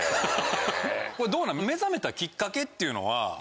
これ目覚めたきっかけっていうのは？